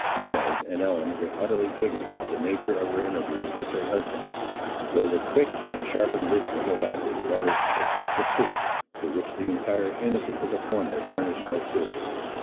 Inez and Ellen were utterly ignorant of the nature of her interview with her husband, though the quick and sharpened wits of the latter led her to suspect a truth, to which the entire innocence of the former furnished no clue.